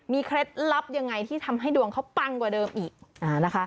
เคล็ดลับยังไงที่ทำให้ดวงเขาปังกว่าเดิมอีกนะคะ